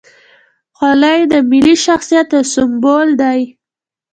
خولۍ د ملي شخصیت یو سمبول دی.